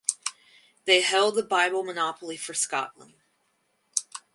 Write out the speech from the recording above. They held the Bible monopoly for Scotland.